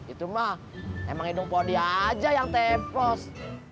itu mah emang hidung podi aja yang tepos